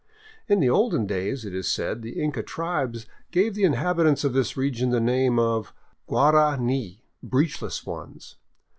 In the olden days, it is said, the Inca tribes gave the inhabitants of this region the name of " guara ni " (breech less ones).